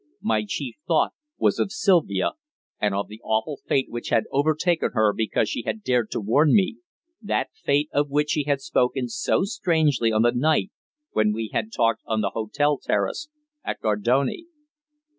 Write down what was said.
My chief thought was of Sylvia, and of the awful fate which had overtaken her because she had dared to warn me that fate of which she had spoken so strangely on the night when we had talked on the hotel terrace at Gardone.